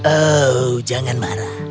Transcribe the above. oh jangan marah